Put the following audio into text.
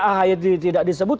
ahaya tidak disebut